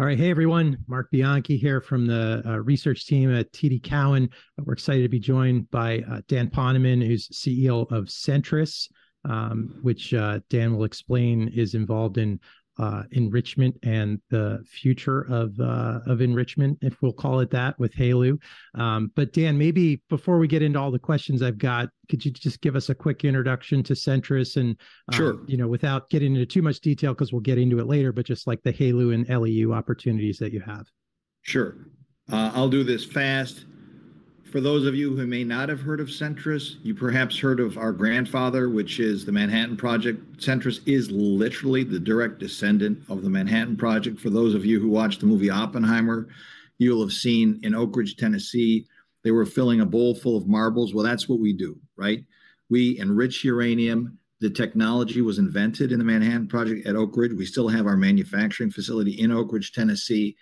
All right. Hey, everyone, Marc Bianchi here from the research team at TD Cowen. We're excited to be joined by Dan Poneman, who's CEO of Centrus, which Dan will explain, is involved in enrichment and the future of enrichment, if we'll call it that, with HALEU. But Dan, maybe before we get into all the questions I've got, could you just give us a quick introduction to Centrus and Sure... you know, without getting into too much detail, 'cause we'll get into it later, but just like the HALEU and LEU opportunities that you have. Sure. I'll do this fast. For those of you who may not have heard of Centrus, you perhaps heard of our grandfather, which is the Manhattan Project. Centrus is literally the direct descendant of the Manhattan Project. For those of you who watched the movie Oppenheimer, you'll have seen in Oak Ridge, Tennessee, they were filling a bowl full of marbles. Well, that's what we do, right? We enrich uranium. The technology was invented in the Manhattan Project at Oak Ridge. We still have our manufacturing facility in Oak Ridge, Tennessee.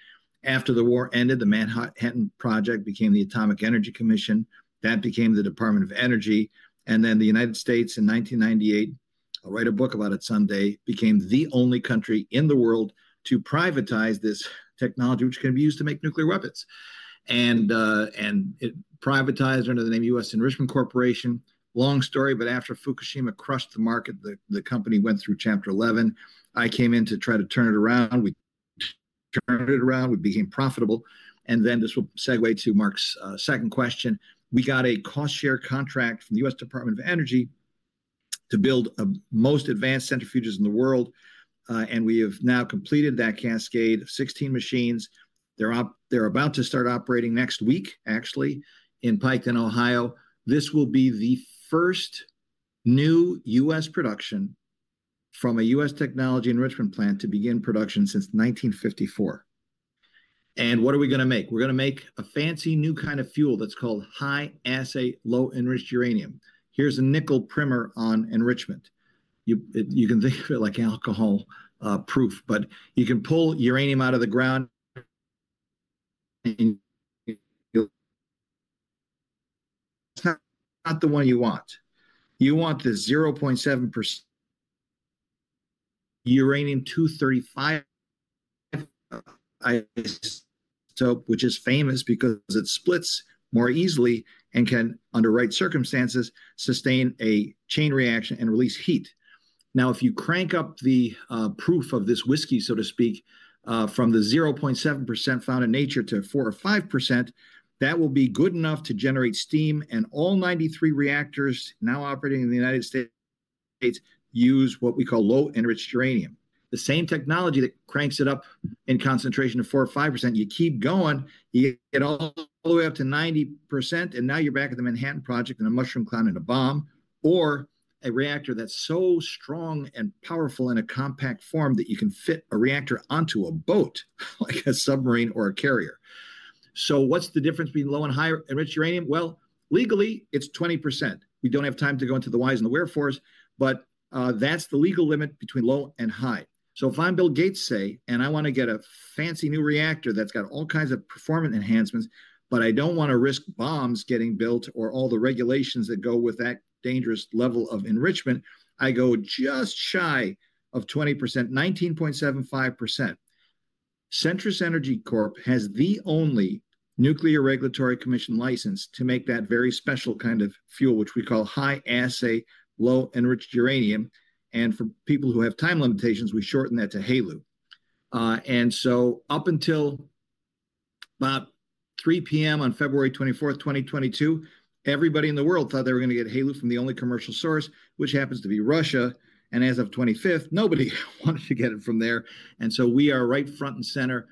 After the war ended, the Manhattan Project became the Atomic Energy Commission. That became the Department of Energy, and then the United States in 1998, I'll write a book about it someday, became the only country in the world to privatize this technology, which can be used to make nuclear weapons. It privatized under the name U.S. Enrichment Corporation. Long story, but after Fukushima crushed the market, the company went through Chapter 11. I came in to try to turn it around. We turned it around, we became profitable, and this will segue to Marc's second question. We got a cost-share contract from the U.S. Department of Energy to build the most advanced centrifuges in the world, and we have now completed that cascade, 16 machines. They're about to start operating next week, actually, in Piketon, Ohio. This will be the first new U.S. production from a U.S. technology enrichment plant to begin production since 1954. And what are we gonna make? We're gonna make a fancy new kind of fuel that's called High-Assay Low-Enriched Uranium. Here's a nickel primer on enrichment. You can think of it like alcohol proof, but you can pull uranium out of the ground, and you... It's not, not the one you want. You want the 0.7% Uranium-235 isotope, which is famous because it splits more easily and can, under right circumstances, sustain a chain reaction and release heat. Now, if you crank up the proof of this whiskey, so to speak, from the 0.7% found in nature to 4% or 5%, that will be good enough to generate steam, and all 93 reactors now operating in the United States use what we call Low-Enriched Uranium. The same technology that cranks it up in concentration to 4% or 5%, you keep going, you get all the way up to 90%, and now you're back at the Manhattan Project and a mushroom cloud and a bomb, or a reactor that's so strong and powerful in a compact form that you can fit a reactor onto a boat, like a submarine or a carrier. So what's the difference between low and high-enriched uranium? Well, legally, it's 20%. We don't have time to go into the whys and the wherefores, but, that's the legal limit between low and high. So if I'm Bill Gates, say, and I wanna get a fancy new reactor that's got all kinds of performance enhancements, but I don't wanna risk bombs getting built or all the regulations that go with that dangerous level of enrichment, I go just shy of 20%, 19.75%. Centrus Energy Corp has the only Nuclear Regulatory Commission license to make that very special kind of fuel, which we call high-assay low-enriched uranium, and for people who have time limitations, we shorten that to HALEU. And so up until about 3:00 P.M. on February 24th, 2022, everybody in the world thought they were gonna get HALEU from the only commercial source, which happens to be Russia, and as of 25th, nobody wanted to get it from there. And so we are right front and center,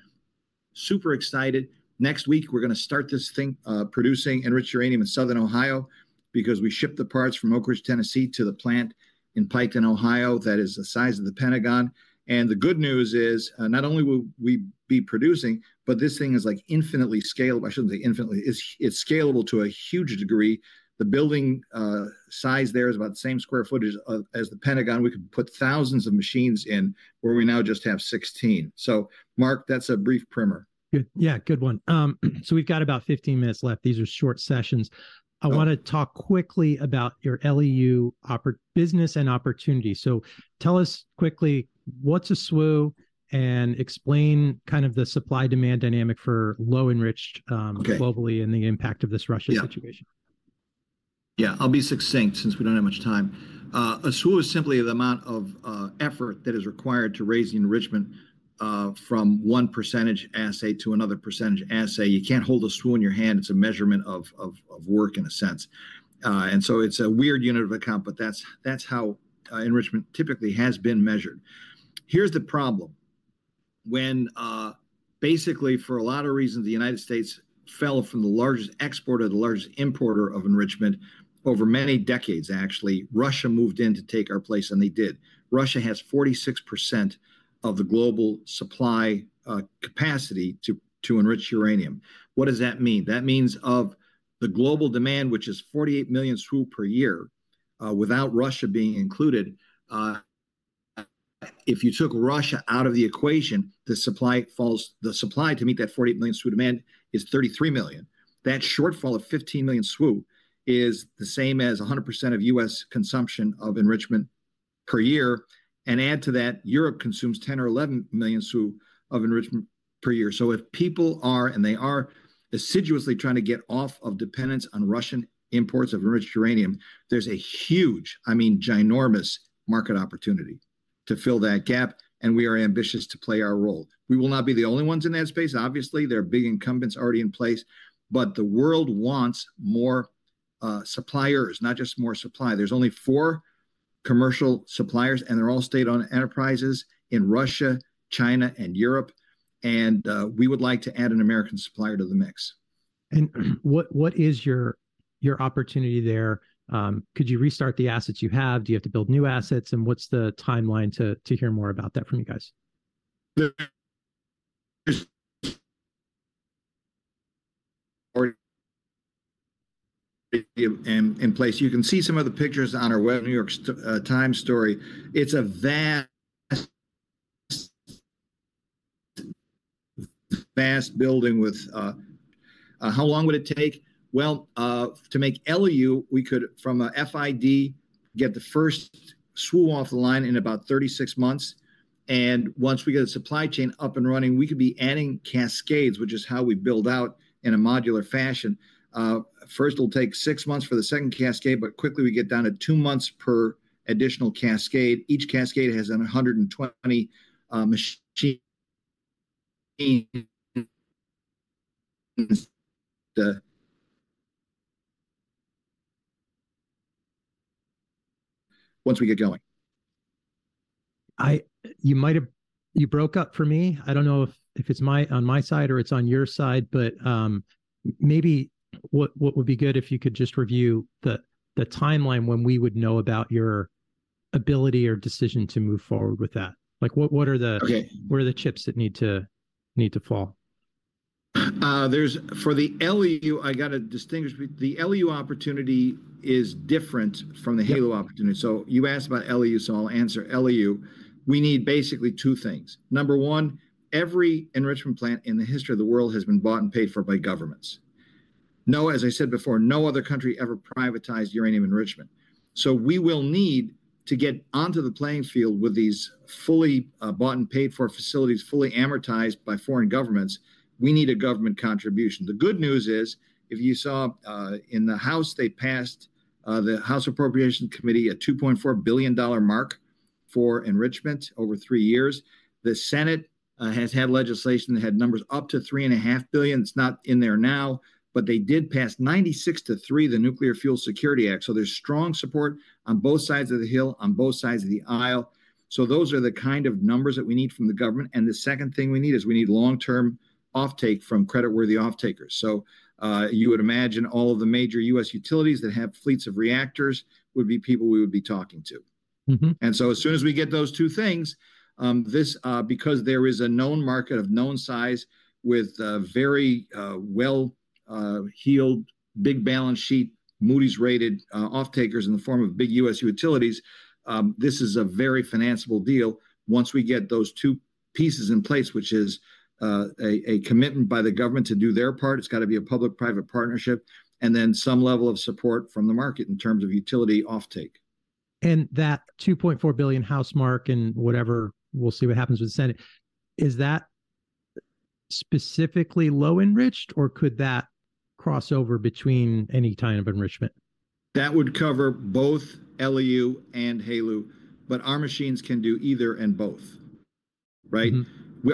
super excited. Next week, we're gonna start this thing producing enriched uranium in southern Ohio, because we shipped the parts from Oak Ridge, Tennessee, to the plant in Piketon, Ohio, that is the size of the Pentagon. And the good news is, not only will we be producing, but this thing is, like, infinitely scalable. I shouldn't say infinitely, it's, it's scalable to a huge degree. The building size there is about the same square footage as the Pentagon. We could put thousands of machines in, where we now just have 16. So Marc, that's a brief primer. Good. Yeah, good one. So we've got about 15 minutes left. These are short sessions. Sure. I wanna talk quickly about your LEU opportunity business and opportunity. So tell us quickly, what's a SWU? And explain kind of the supply-demand dynamic for low enriched, Okay... globally, and the impact of this Russia- Yeah... situation. Yeah, I'll be succinct, since we don't have much time. A SWU is simply the amount of effort that is required to raise the enrichment from one percentage assay to another percentage assay. You can't hold a SWU in your hand, it's a measurement of work, in a sense. And so it's a weird unit of account, but that's how enrichment typically has been measured. Here's the problem: when basically, for a lot of reasons, the United States fell from the largest exporter to the largest importer of enrichment over many decades, actually, Russia moved in to take our place, and they did. Russia has 46% of the global supply capacity to enrich uranium. What does that mean? That means of the global demand, which is 48 million SWU per year, without Russia being included, if you took Russia out of the equation, the supply falls—the supply to meet that 48 million SWU demand is 33 million. That shortfall of 15 million SWU is the same as 100% of U.S. consumption of enrichment per year, and add to that, Europe consumes 10 or 11 million SWU of enrichment per year. So if people are, and they are, assiduously trying to get off of dependence on Russian imports of enriched uranium, there's a huge, I mean, ginormous market opportunity to fill that gap, and we are ambitious to play our role. We will not be the only ones in that space. Obviously, there are big incumbents already in place, but the world wants more suppliers, not just more supply. There's only four commercial suppliers, and they're all state-owned enterprises in Russia, China, and Europe, and we would like to add an American supplier to the mix. What is your opportunity there? Could you restart the assets you have? Do you have to build new assets, and what's the timeline to hear more about that from you guys? In place. You can see some of the pictures on our New York Times story. It's a vast, vast building with... How long would it take? Well, to make LEU, we could, from a FID, get the first SWU off the line in about 36 months, and once we get a supply chain up and running, we could be adding cascades, which is how we build out in a modular fashion. First it'll take six months for the second cascade, but quickly we get down to two months per additional cascade. Each cascade has 120 machi- Once we get going. You might have... You broke up for me. I don't know if it's my- on my side, or it's on your side, but maybe what would be good if you could just review the timeline when we would know about your ability or decision to move forward with that. Like, what are the- Okay. What are the chips that need to fall? For the LEU, I gotta distinguish between. The LEU opportunity is different from the HALEU opportunity. Yeah. So you asked about LEU, so I'll answer LEU. We need basically two things. Number one, every enrichment plant in the history of the world has been bought and paid for by governments. No... As I said before, no other country ever privatized uranium enrichment. So we will need to get onto the playing field with these fully bought and paid for facilities, fully amortized by foreign governments. We need a government contribution. The good news is, if you saw in the House, they passed the House Appropriations Committee, a $2.4 billion mark for enrichment over three years. The Senate has had legislation that had numbers up to $3.5 billion. It's not in there now, but they did pass 96 to three votes, the Nuclear Fuel Security Act, so there's strong support on both sides of the Hill, on both sides of the aisle. So those are the kind of numbers that we need from the government, and the second thing we need is we need long-term offtake from credit-worthy offtakers. So, you would imagine all of the major U.S. utilities that have fleets of reactors would be people we would be talking to. And so as soon as we get those two things, because there is a known market of known size with very well heeled, big balance sheet, Moody's-rated offtakers in the form of big U.S. utilities, this is a very financeable deal once we get those two pieces in place, which is a commitment by the government to do their part, it's gotta be a public-private partnership, and then some level of support from the market in terms of utility offtake. That $2.4 billion House mark and whatever, we'll see what happens with the Senate, is that specifically low enriched, or could that cross over between any kind of enrichment? That would cover both LEU and HALEU, but our machines can do either and both. Right?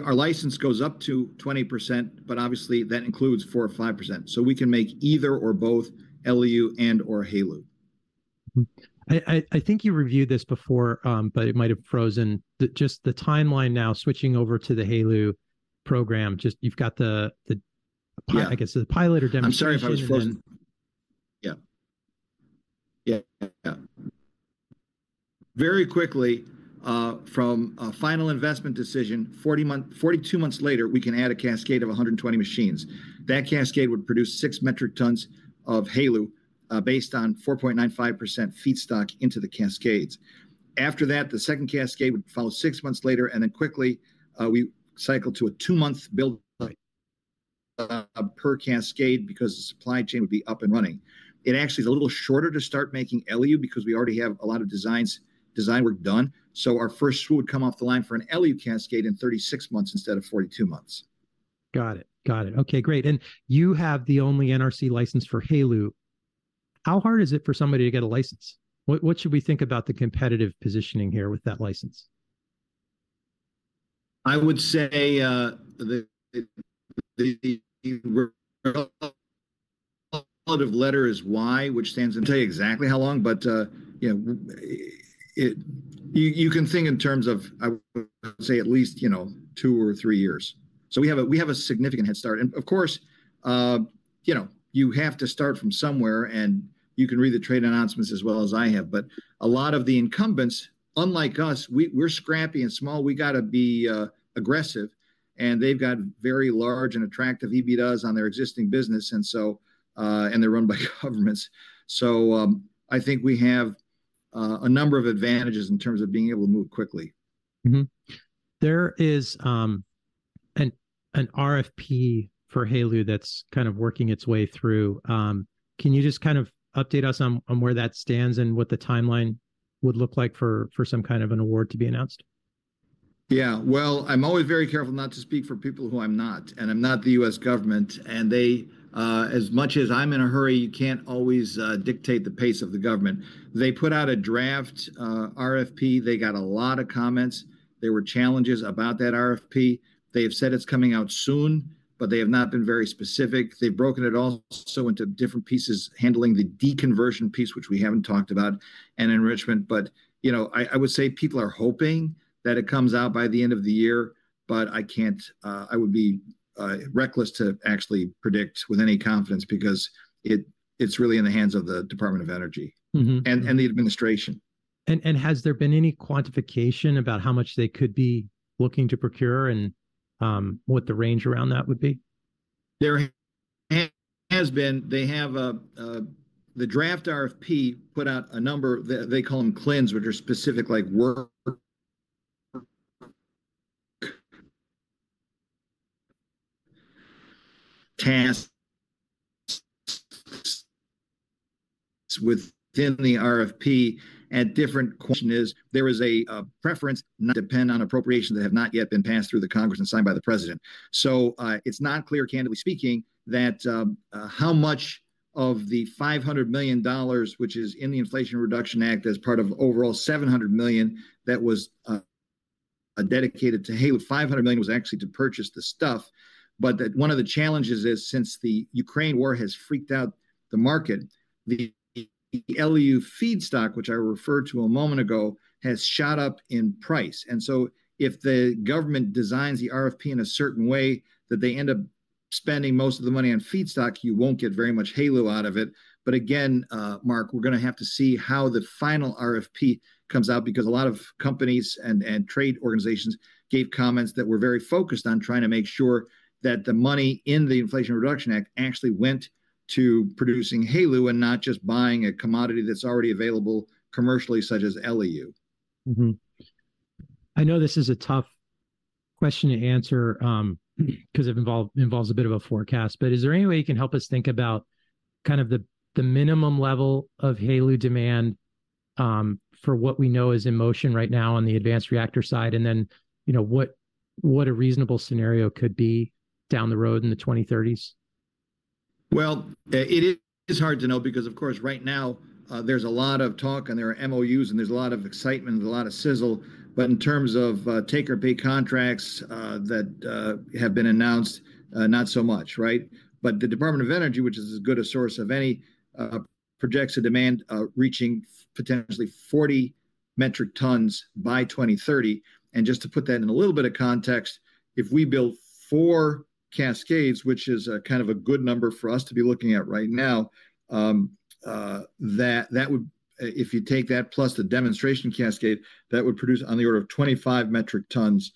Our license goes up to 20%, but obviously that includes 4% or 5%, so we can make either or both LEU and/or HALEU. I think you reviewed this before, but it might have frozen. Just the timeline now, switching over to the HALEU program, just you've got the, the- Yeah... I guess, the pilot or demonstration- I'm sorry if I was frozen. Yeah. Yeah, very quickly, from a final investment decision, 40-42 months later, we can add a cascade of 120 machines. That cascade would produce 6 metric tons of HALEU, based on 4.95% feedstock into the cascades. After that, the second cascade would follow six months later, and then quickly, we cycle to a two-month build per cascade because the supply chain would be up and running. It actually is a little shorter to start making LEU because we already have a lot of designs, design work done. So our first SWU would come off the line for an LEU cascade in 36 months instead of 42 months. Got it. Got it. Okay, great, and you have the only NRC license for HALEU. How hard is it for somebody to get a license? What, what should we think about the competitive positioning here with that license? I would say that out of letter is Y, which stands and tell you exactly how long, but you know, it... You can think in terms of, say, at least, you know, two or three years. We have a significant head start. Of course, you have to start from somewhere, and you can read the trade announcements as well as I have, but a lot of the incumbents, unlike us, we're scrappy and small, we gotta be aggressive, and they've got very large and attractive EBITDAs on their existing business, and they're run by governments. I think we have a number of advantages in terms of being able to move quickly. There is an RFP for HALEU that's kind of working its way through. Can you just kind of update us on where that stands and what the timeline would look like for some kind of an award to be announced? Yeah. Well, I'm always very careful not to speak for people who I'm not, and I'm not the U.S. government, and they, as much as I'm in a hurry, you can't always dictate the pace of the government. They put out a draft RFP. They got a lot of comments. There were challenges about that RFP. They have said it's coming out soon, but they have not been very specific. They've broken it also into different pieces, handling the deconversion piece, which we haven't talked about, and enrichment. But, you know, I would say people are hoping that it comes out by the end of the year, but I can't... I would be reckless to actually predict with any confidence because it, it's really in the hands of the Department of Energy-... and the administration. And, has there been any quantification about how much they could be looking to procure and, what the range around that would be? There has been. They have a... The draft RFP put out a number, they call them clauses, which are specific, like work tasks within the RFP, and different question is, there is a preference not depend on appropriation that have not yet been passed through the Congress and signed by the President. So, it's not clear, candidly speaking, that, how much of the $500 million, which is in the Inflation Reduction Act as part of the overall $700 million, that was dedicated to HALEU. $500 million was actually to purchase the stuff, but that one of the challenges is, since the Ukraine war has freaked out the market, the LEU feedstock, which I referred to a moment ago, has shot up in price. So if the government designs the RFP in a certain way that they end up spending most of the money on feedstock, you won't get very much HALEU out of it. But again, Marc, we're gonna have to see how the final RFP comes out, because a lot of companies and trade organizations gave comments that were very focused on trying to make sure that the money in the Inflation Reduction Act actually went to producing HALEU, and not just buying a commodity that's already available commercially, such as LEU. I know this is a tough question to answer, 'cause it involves a bit of a forecast, but is there any way you can help us think about kind of the minimum level of HALEU demand, for what we know is in motion right now on the advanced reactor side, and then, you know, what a reasonable scenario could be down the road in the 2030s? Well, it is, it's hard to know because, of course, right now, there's a lot of talk, and there are MOUs, and there's a lot of excitement and a lot of sizzle, but in terms of take or pay contracts that have been announced, not so much, right? But the Department of Energy, which is as good a source as any, projects a demand reaching potentially 40 metric tons by 2030. And just to put that in a little bit of context, if we build four cascades, which is a kind of a good number for us to be looking at right now, that would... If you take that plus the demonstration cascade, that would produce on the order of 25 metric tons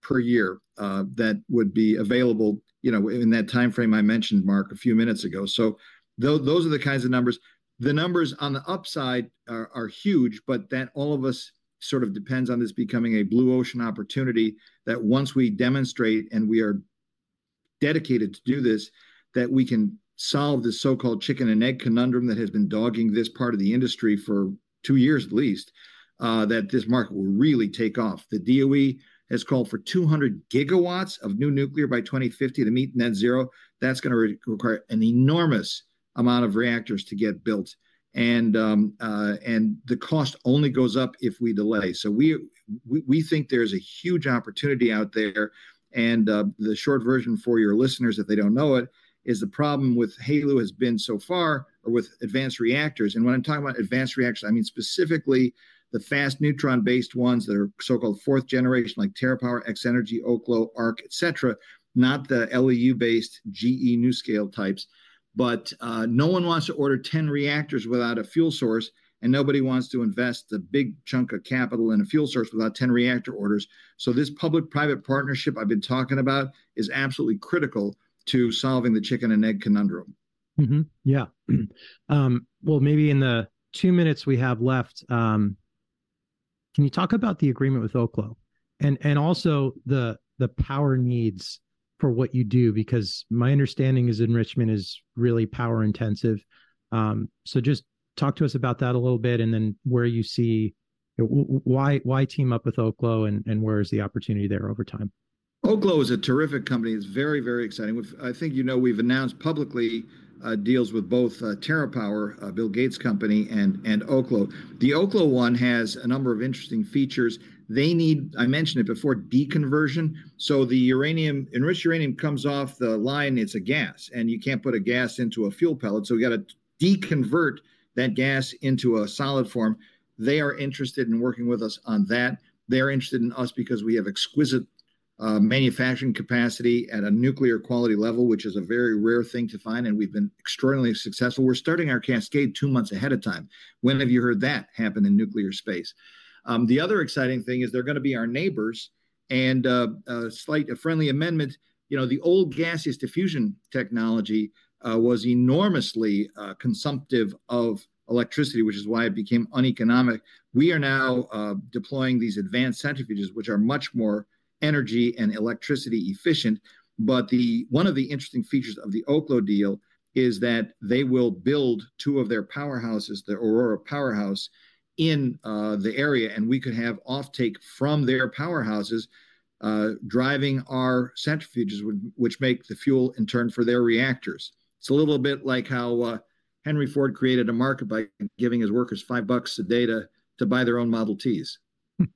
per year that would be available, you know, in that timeframe I mentioned, Marc, a few minutes ago. So those are the kinds of numbers. The numbers on the upside are huge, but then all of us sort of depends on this becoming a blue ocean opportunity, that once we demonstrate, and we are dedicated to do this, that we can solve the so-called chicken and egg conundrum that has been dogging this part of the industry for two years at least, that this market will really take off. The DOE has called for 200 gigawatts of new nuclear by 2050 to meet net zero. That's gonna require an enormous amount of reactors to get built. The cost only goes up if we delay. We think there's a huge opportunity out there. The short version for your listeners, if they don't know it, is the problem with HALEU has been so far, or with advanced reactors, and when I'm talking about advanced reactors, I mean, specifically the fast neutron-based ones that are so-called fourth generation, like TerraPower, X-energy, Oklo, ARC, et cetera, not the LEU-based GE NuScale types. No one wants to order 10 reactors without a fuel source, and nobody wants to invest a big chunk of capital in a fuel source without 10 reactor orders. This public-private partnership I've been talking about is absolutely critical to solving the chicken and egg conundrum. Yeah. Well, maybe in the two minutes we have left, can you talk about the agreement with Oklo, and also the power needs for what you do? Because my understanding is enrichment is really power intensive. Just talk to us about that a little bit, and then where you see... Why, why team up with Oklo, and where is the opportunity there over time? Oklo is a terrific company. It's very, very exciting. We've, I think, you know, we've announced publicly deals with both TerraPower, Bill Gates' company, and Oklo. The Oklo one has a number of interesting features. They need, I mentioned it before, deconversion. So the uranium, enriched uranium comes off the line, it's a gas, and you can't put a gas into a fuel pellet, so we've got to deconvert that gas into a solid form. They are interested in working with us on that. They're interested in us because we have exquisite manufacturing capacity at a nuclear quality level, which is a very rare thing to find, and we've been extremely successful. We're starting our cascade two months ahead of time. When have you heard that happen in nuclear space? The other exciting thing is they're gonna be our neighbors, and a slight, a friendly amendment, you know, the old gaseous diffusion technology was enormously consumptive of electricity, which is why it became uneconomic. We are now deploying these advanced centrifuges, which are much more energy and electricity efficient. But one of the interesting features of the Oklo deal is that they will build two of their powerhouses, the Aurora powerhouse, in the area, and we could have offtake from their powerhouses driving our centrifuges, which make the fuel in turn for their reactors. It's a little bit like how Henry Ford created a market by giving his workers $5 a day to buy their own Model T's.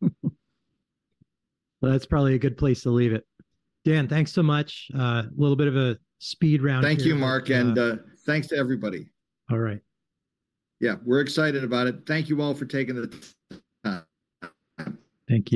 Well, that's probably a good place to leave it. Dan, thanks so much. A little bit of a speed round here- Thank you, Marc, and thanks to everybody. All right. Yeah, we're excited about it. Thank you all for taking the time. Thank you.